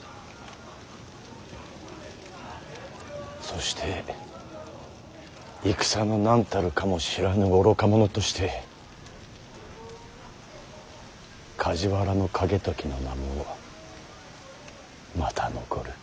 そして戦のなんたるかも知らぬ愚か者として梶原景時の名もまた残る。